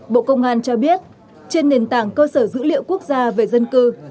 bộ công an cho biết trên nền tảng cơ sở dữ liệu quốc gia về dân cư